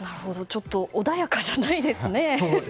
ちょっと穏やかじゃないですね。